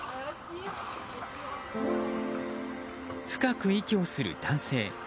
深く息をする男性。